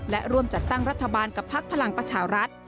และร่วมจัดตั้งรัฐบาลกับพักพลังประชารัฐ